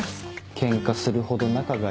ケンカするほど仲がいい。